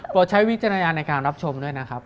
โปรดใช้วิจัยนะอย่างในการรับชมด้วยนะครับ